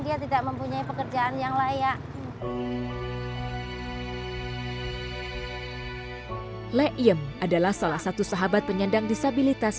dia tidak mempunyai pekerjaan yang layak leiem adalah salah satu sahabat penyandang disabilitas